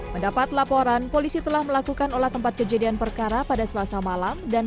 mendapat laporan polisi telah melakukan olah tempat kejadian perkara pada selasa malam dan